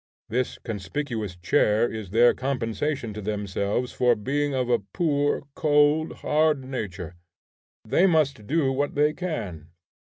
This conspicuous chair is their compensation to themselves for being of a poor, cold, hard nature. They must do what they can.